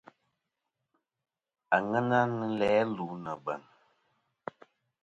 Àŋena nɨ̀n læ lu nɨ̀ bèŋ.